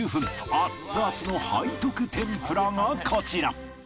アッツアツの背徳天ぷらがこちら